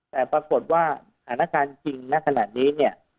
แต่ปรากฏว่าฐานการณ์จริงณขนาดนี้